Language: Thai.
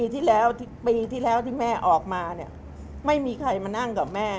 ที่แล้วปีที่แล้วที่แม่ออกมาเนี่ยไม่มีใครมานั่งกับแม่